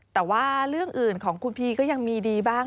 แต่ว่าเรื่องอื่นของคุณพีก็ยังมีดีบ้าง